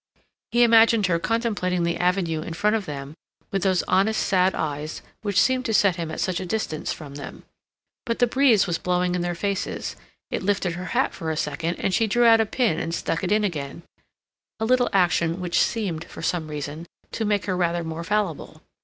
He imagined her contemplating the avenue in front of them with those honest sad eyes which seemed to set him at such a distance from them. But the breeze was blowing in their faces; it lifted her hat for a second, and she drew out a pin and stuck it in again,—a little action which seemed, for some reason, to make her rather more fallible.